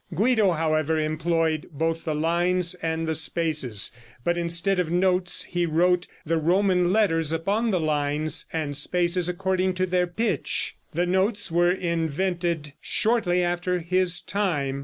Guido, however, employed both the lines and the spaces, but instead of notes he wrote the Roman letters upon the lines and spaces according to their pitch. The notes were invented shortly after his time.